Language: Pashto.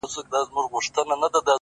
خو د چا يو ويښته له سر ايستلی نه و-